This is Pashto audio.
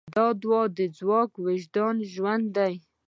د دعا ځواک د وجدان ژوند دی.